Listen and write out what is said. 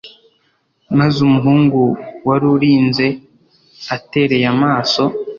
Maze umuhungu wari urinze atereye amaso